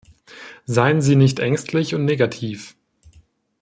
Seien Sie nicht ängstlich und negativ!